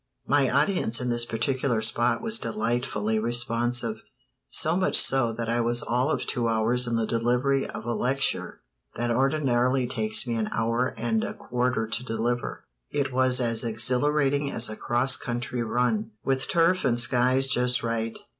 My audience in this particular spot was delightfully responsive; so much so that I was all of two hours in the delivery of a lecture that ordinarily takes me an hour and a quarter to deliver. It was as exhilarating as a cross country run, with turf and skies just right.